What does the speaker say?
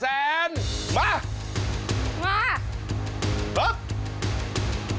เสาคำยันอาวุธิ